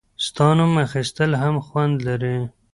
• ستا نوم اخیستل هم خوند لري.